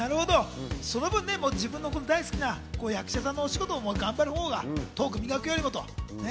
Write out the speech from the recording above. その分、自分の大好きな役者さんのお仕事を頑張るほうがトーク磨くよりもと。